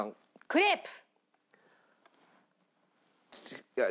クレープ。